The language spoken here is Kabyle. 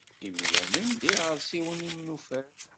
Imdanen d iɣersiwen imnufal.